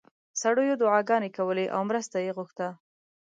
سړیو دعاګانې کولې او مرسته یې غوښته.